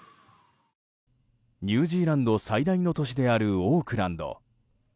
ニュージーランド最大の都市であるオークランド。